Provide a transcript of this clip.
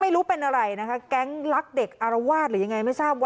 ไม่รู้เป็นอะไรเกั้งรักเด็กอารวาสอย่างนี้ไม่ทราบ